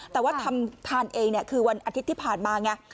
แต่ว่าทำทานเองคือวันอาทิตย์ที่ผ่านมาไง